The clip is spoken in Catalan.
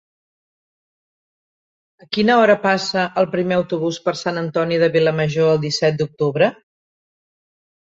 A quina hora passa el primer autobús per Sant Antoni de Vilamajor el disset d'octubre?